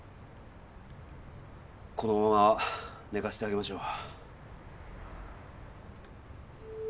このまま寝かせてあげましょう。